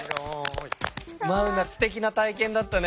眞生すてきな体験だったね。